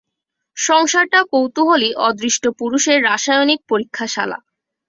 সংসারটা কৌতুহলী অদৃষ্টপুরুষের রাসায়নিক পরীক্ষাশালা।